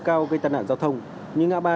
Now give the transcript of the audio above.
cao gây tàn nạn giao thông như ngã ba